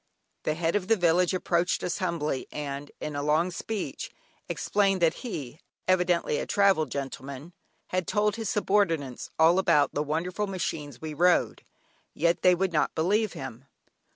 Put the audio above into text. The Head of the village approached us humbly, and in a long speech explained that though he (evidently a travelled gentleman) had told his subordinates all about the wonderful machines we rode, yet they would not believe him.